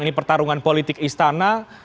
ini pertarungan politik istana